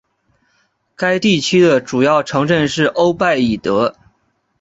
该地区的主要城镇是欧拜伊德。